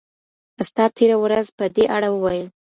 استاد تېره ورځ په دې اړه وویل.